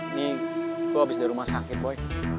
ini kok habis dari rumah sakit boy